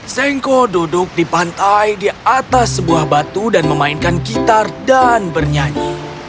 sengko duduk di pantai di atas sebuah batu dan memainkan gitar dan bernyanyi